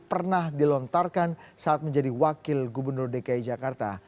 pernah dilontarkan saat menjadi wakil gubernur dki jakarta